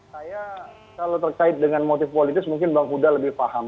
saya kalau terkait dengan motif politis mungkin bang huda lebih paham